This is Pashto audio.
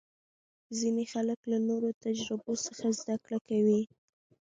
ځینې خلک له نورو تجربو څخه زده کړه کوي.